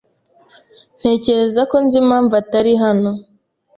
Ntekereza ko nzi impamvu atari hano.